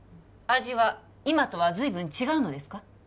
味は今とは随分違うのですか？